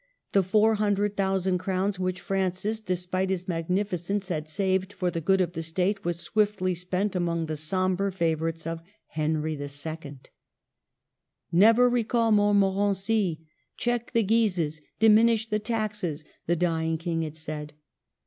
The four hundred thousand crowns which Francis, despite his magnificence, had saved for the good of the State, were swiftly spent among the sombre favorites of Henry H. "Never recall Montmorency, check the Guises, diminish the taxes," the dying King had said.